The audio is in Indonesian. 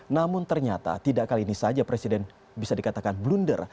namun ternyata tidak kali ini saja presiden bisa dikatakan blunder